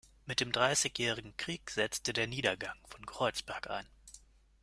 Mit dem Dreißigjährigen Krieg setzte der Niedergang von Kreuzberg ein.